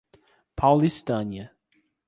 Paulistânia